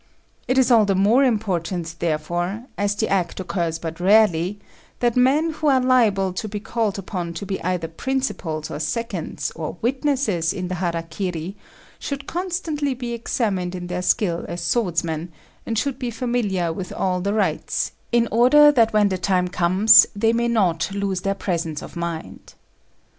It is all the more important, therefore, as the act occurs but rarely, that men who are liable to be called upon to be either principals or seconds or witnesses in the hara kiri should constantly be examined in their skill as swordsmen, and should be familiar with all the rites, in order that when the time comes they may not lose their presence of mind.